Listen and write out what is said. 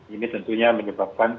ini tentunya menyebabkan